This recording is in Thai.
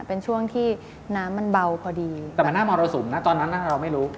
เป็นช่วงที่น้ำมันเบาพอดีแต่มันหน้ามรสุมนะตอนนั้นน่ะเราไม่รู้